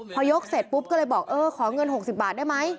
พอยกเสร็จปุ๊บก็เลยบอกเออขอเงิน๖๐บาทได้ไหม